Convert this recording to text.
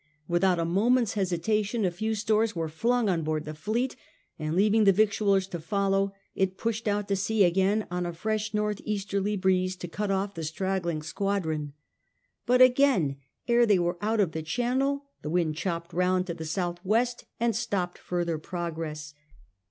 Without a moment's hesitation a few stores were flung on board the fleet, and leaving the victuallers to follow, it pushed out to sea again on a fresh north easterly breeze to cut off the straggling squadron. But again, ere they were out of the Channel, the wind chopped round to south west and stopped further progress.